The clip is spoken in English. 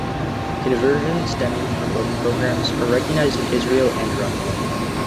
Conversions stemming from both programs are recognized in Israel and around the world.